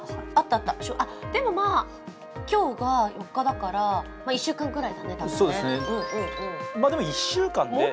でも、今日が４日だから１週間ぐらいだね。